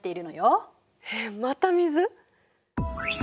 えっまた水！？